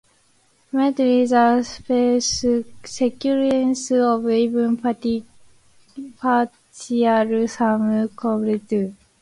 Similarly, the sequence of even partial sum converges too.